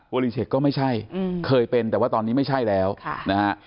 เวอรี่เช็กก็ไม่ใช่อืมเคยเป็นแต่ว่าตอนนี้ไม่ใช่แล้วค่ะนะฮะ